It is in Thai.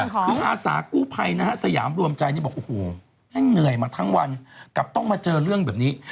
คืออาสากู้ภัยนะฮะสยามรวมใจนี่บอกโอ้โหแห้งเหนื่อยมาทั้งวันกลับต้องมาเจอเรื่องแบบนี้